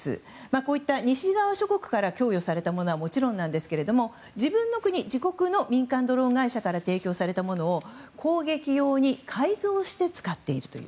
こういった西側諸国から供与されたものはもちろんですが自国の民間ドローン会社から提供されたものを攻撃用に改造して使っているという。